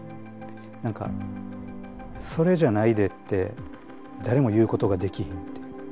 何かそれじゃないでって誰も言うことができひんっていう。